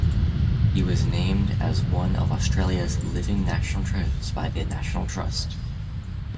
He was named as one of Australia's Living National Treasures by the National Trust.